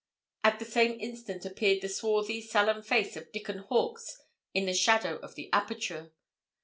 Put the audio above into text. At the same instant appeared the swarthy, sullen face of Dickon Hawkes in the shadow of the aperture.